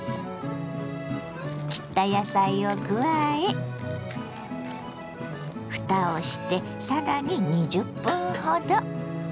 切った野菜を加えふたをしてさらに２０分ほど。